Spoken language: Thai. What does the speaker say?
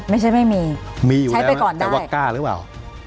ไม่ใช่ไม่มีใช้ไปก่อนได้มีอยู่แล้วแต่ว่ากล้าหรือเปล่า